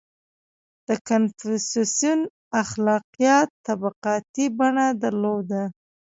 • د کنفوسیوس اخلاقیات طبقاتي بڼه درلوده.